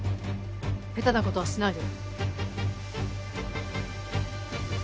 下手なことはしないで。